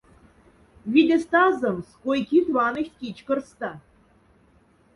Видеста азомс, кой-кит ваныхть кичкорста.